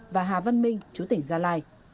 và hà văn minh chú tỉnh gia lai